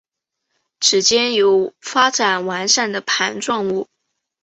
趾尖有发展完善的盘状物。